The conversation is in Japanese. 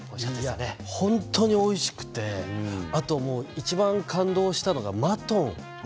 本当においしくていちばん感動したのがマトン。